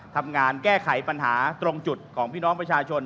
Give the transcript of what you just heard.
ทำงานแก้ไขปัญหาตรงจุดของพี่น้องประชาชน